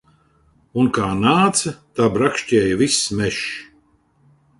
Un kā nāca, tā brakšķēja viss mežs.